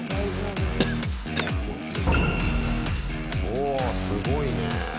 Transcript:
おお、すごいね。